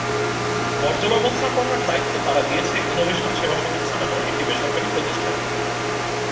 বর্জ্য ব্যবস্থাপনার দায়িত্ব তারা দিয়েছে ইনোভেশন সেবা সংস্থা নামে একটি বেসরকারি প্রতিষ্ঠানকে।